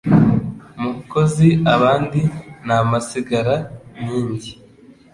Mukozi abandi ni amasigara nkingi,